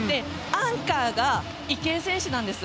アンカーが池江選手なんです。